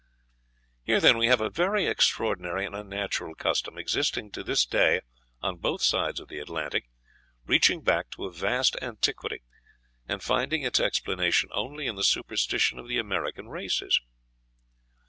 Here, then, we have a very extraordinary and unnatural custom, existing to this day on both sides of the Atlantic, reaching back to a vast antiquity, and finding its explanation only in the superstition of the American races.